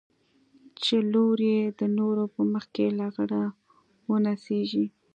چې لور يې د نورو په مخ کښې لغړه ونڅېږي.